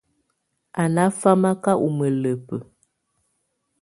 Á ná famaká u mǝlǝbǝ.